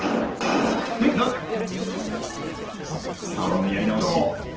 スタートのやり直し。